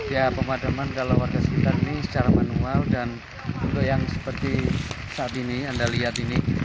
ya pemadaman kalau warga sekitar ini secara manual dan untuk yang seperti saat ini anda lihat ini